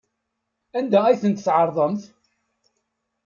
Anda ay tent-tɛerḍemt?